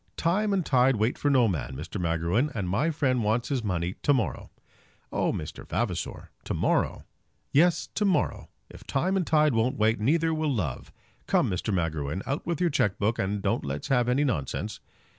"Time and tide wait for no man, Mr. Magruin, and my friend wants his money to morrow." "Oh, Mr. Vavasor, to morrow!" "Yes, to morrow. If time and tide won't wait, neither will love. Come, Mr. Magruin, out with your cheque book, and don't let's have any nonsense."